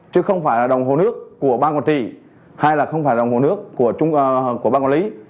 chứ không phải là đồng hồ nước của ban quản trị hay là không phải đồng hồ nước của ban quản lý